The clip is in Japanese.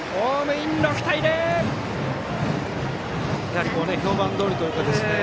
やはり評判どおりというか。